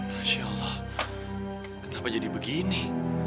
masya allah kenapa jadi begini